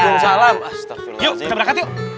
yuk kita berangkat yuk